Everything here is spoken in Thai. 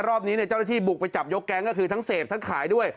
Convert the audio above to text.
รอบนี้เจ้าหน้าที่บุกไปจับยกแก๊งก็คือทั้งเสพทั้งขายด้วย